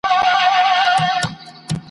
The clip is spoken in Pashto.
بس قسمت دی و هر چا ته حق رسیږي ..